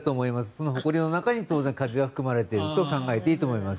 そのほこりの中に当然カビが含まれていると考えていいと思います。